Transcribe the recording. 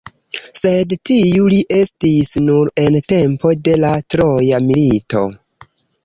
Sed tiu li estis nur en tempo de la Troja milito.